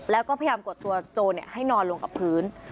แล้วก็พยายามกดตัวโจรให้นอนลงกับพื้น